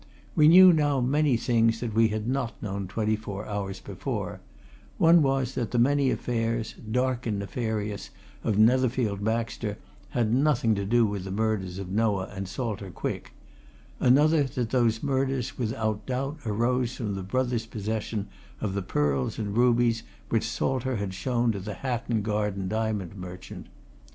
We knew now many things that we had not known twenty four hours before one was that the many affairs, dark and nefarious, of Netherfield Baxter, had nothing to do with the murders of Noah and Salter Quick; another that those murders without doubt arose from the brothers' possession of the pearls and rubies which Salter had shown to the Hatton Garden diamond merchant.